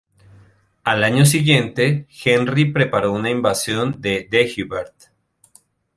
Al año siguiente, Henry preparó una invasión de Deheubarth.